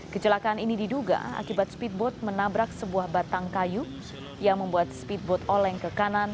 kecelakaan ini diduga akibat speedboat menabrak sebuah batang kayu yang membuat speedboat oleng ke kanan